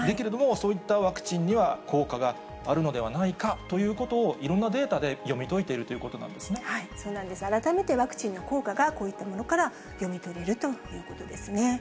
そういったワクチンに効果があるのではないかということを、いろんなデータで読み解いているそうなんです、改めてワクチンの効果が、こういったものから読み取れるということですね。